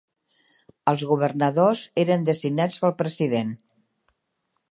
Els governadors eren designats pel president.